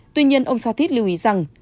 tuy nhiên ông satip lưu ý rằng